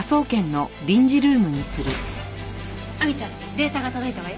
亜美ちゃんデータが届いたわよ。